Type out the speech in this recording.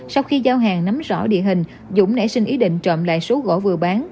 sau khi giao hàng nắm rõ địa hình dũng nảy sinh ý định trộm lại số gỗ vừa bán